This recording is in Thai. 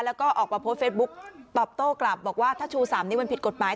แล้วก็ออกมาโพสต์เฟซบุ๊กตอบโต้กลับบอกว่าถ้าชู๓นิ้วมันผิดกฎหมาย